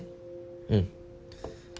うん。